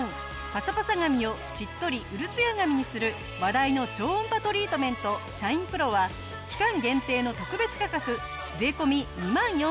パサパサ髪をしっとりウルツヤ髪にする話題の超音波トリートメントシャインプロは期間限定の特別価格税込２万４５００円。